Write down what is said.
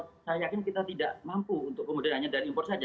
saya yakin kita tidak mampu untuk kemudian hanya dari impor saja